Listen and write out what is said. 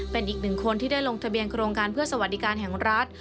เป็นอีกหนึ่งคนที่ได้ลงทะเบียนโครงการเพื่อสวัสดิการแห่งรัฐ